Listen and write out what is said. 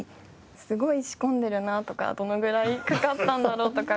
すごい仕込んでるなとかどのぐらいかかったんだろうとか